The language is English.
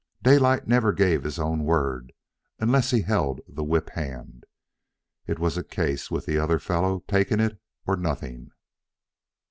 Daylight never gave his own word unless he held the whip hand. It was a case with the other fellow taking it or nothing.